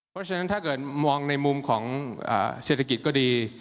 เพราะฉะนั้นถ้าเกิดมองในมุมของเศรษฐกิจก็ดี